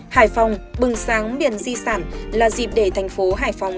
hải phòng bừng sáng miền di sản là dịp để thành phố hải phòng